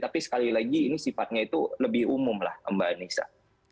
tapi sekali lagi ini sifatnya itu lebih umum lah mbak anissa